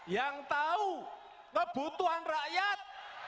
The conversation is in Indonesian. yang tahu kebutuhan rakyat